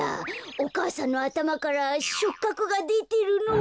お母さんのあたまからしょっかくがでてるのを。